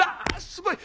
すごい！